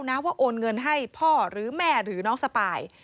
นะว่าโอนเงินให้พ่อหรือแม่หรือน้องสปาย